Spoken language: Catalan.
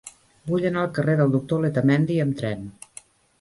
Vull anar al carrer del Doctor Letamendi amb tren.